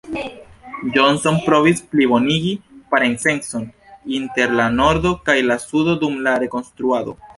Johnson provis plibonigi parencecon inter la Nordo kaj la Sudo dum la Rekonstruado.